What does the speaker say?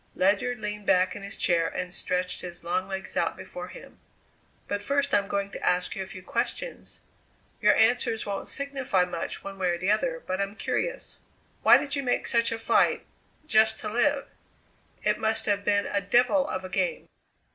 Ledyard leaned back in his chair and stretched his long legs out before him. "But first I'm going to ask you a few questions. Your answers won't signify much one way or the other, but I'm curious. Why did you make such a fight just to live? It must have been a devil of a game."